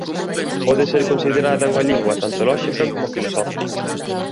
Pode ser considerada unha lingua tanto lóxica como filosófica.